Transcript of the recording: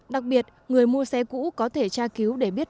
đặc biệt người mua xe cũ có thể tra cứu để biết